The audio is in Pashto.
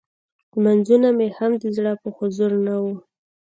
لمونځونه مې هم د زړه په حضور نه وو.